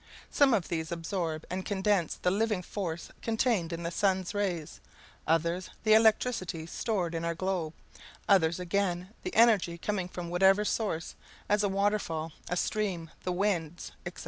Some of these absorb and condense the living force contained in the sun's rays; others, the electricity stored in our globe; others again, the energy coming from whatever source, as a waterfall, a stream, the winds, etc.